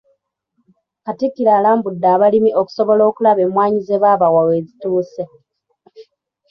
Katikkiro alambudde abalimi okusobola okulaba emmwanyi ze baabawa we zituuse.